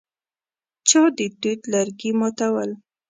چا د توت لرګي ماتول.